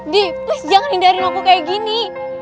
di please jangan hindari aku kayak gini